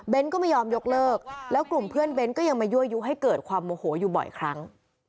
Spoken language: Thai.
ก็ไม่ยอมยกเลิกแล้วกลุ่มเพื่อนเบ้นก็ยังมายั่วยุให้เกิดความโมโหอยู่บ่อยครั้ง